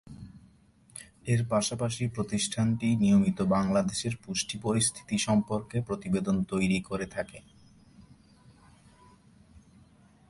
এর পাশাপাশি প্রতিষ্ঠানটি নিয়মিত বাংলাদেশের পুষ্টি পরিস্থিতি সম্পর্কে প্রতিবেদন তৈরি করে থাকে।